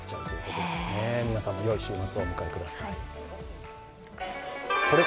皆さんも良い週末をお迎えください。